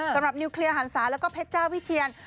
สำหรับนิวเคลียร์หันศาแล้วก็เพชรจ้าวิเชียน